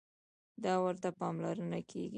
دا ورته پاملرنه کېږي.